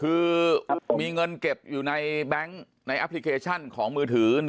คือมีเงินเก็บอยู่ในแบงค์ในแอปพลิเคชันของมือถือ